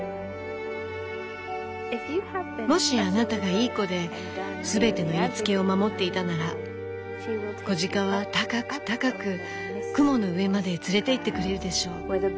「もしあなたがいい子ですべての言いつけを守っていたなら子鹿は高く高く雲の上まで連れていってくれるでしょう。